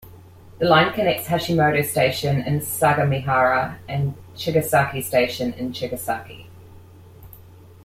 The line connects Hashimoto Station in Sagamihara and Chigasaki Station in Chigasaki.